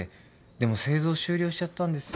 でも製造終了しちゃったんですよ。